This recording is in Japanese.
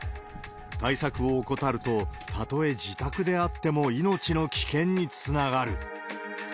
対策を怠ると、たとえ自宅であっても命の危険につながる。